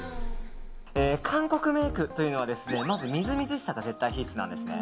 韓国メイクというのはまずみずみずしさが絶対必須なんですね。